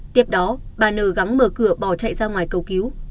tiếp đó bà n gắng mở cửa bỏ chạy ra ngoài cầu cứu